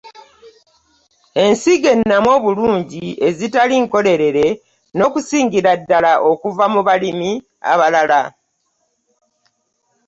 Ensigo ennamu obulungi, ezitali nkolerere, n’okusingira ddala okuva mu balimi abalala.